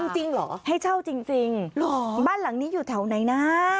จริงเหรอให้เช่าจริงบ้านหลังนี้อยู่แถวไหนนะ